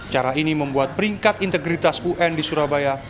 cara ini membuat peringkat integritas un di surabaya